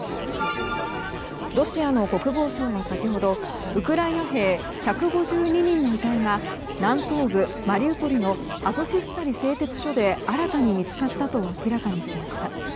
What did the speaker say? ロシアの国防省は先ほどウクライナ兵１５２人の遺体が南東部マリウポリのアゾフスタリ製鉄所で新たに見つかったと明らかにしました。